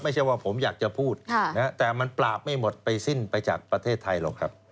ไม่ใช่ว่าผมอยากจะพูดแต่มันปราบไม่หมดไปสิ้นไปจากประเทศไทยหรอกครับ